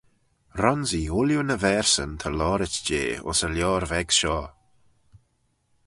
Ronsee ooilley ny verseyn ta loayrit jeh ayns yn lioar veg shoh.